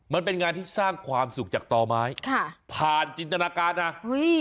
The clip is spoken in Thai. มันเป็นงานที่สร้างความสุขจากต่อไม้ค่ะผ่านจินตนาการนะอุ้ย